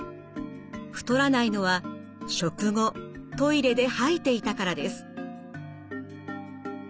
太らないのは食後トイレで吐いていたからです。